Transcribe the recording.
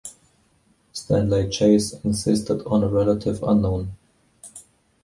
Stanley Chase insisted on a relative unknown.